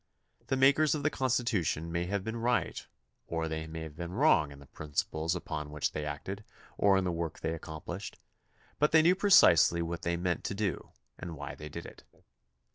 The makers of the Constitution may have been right or they may have been wrong in the principles upon which they acted or in the work they accomplished, but they knew precisely what they meant to do and why they did it.